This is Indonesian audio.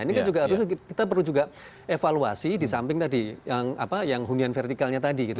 ini kan juga harus kita perlu juga evaluasi di samping tadi yang hunian vertikalnya tadi gitu